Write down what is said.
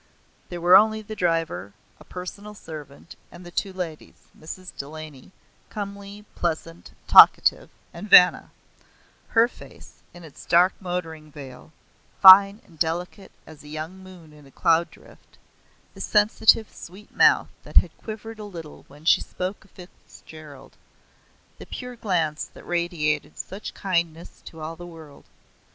There were only the driver, a personal servant, and the two ladies; Mrs. Delany, comely, pleasant, talkative, and Vanna Her face in its dark motoring veil, fine and delicate as a young moon in a cloud drift the sensitive sweet mouth that had quivered a little when she spoke of Fitzgerald the pure glance that radiated such kindness to all the world.